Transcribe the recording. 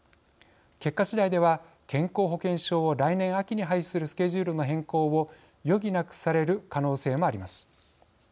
結果次第では健康保険証を来年秋に廃止するスケジュールの変更を余儀なくされる可能性もあります。